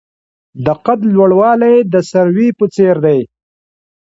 د قد لوړوالی د سروې په څیر دی.